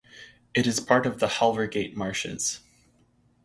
It is part of the Halvergate Marshes.